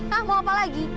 mau apa lagi